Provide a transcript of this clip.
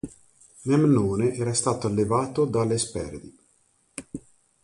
Memnone era stato allevato dalle Esperidi.